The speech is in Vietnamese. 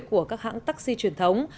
của các hãng taxi truyền thống